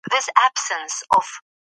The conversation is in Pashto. ایا ژبه د زده کړې وسیله ده؟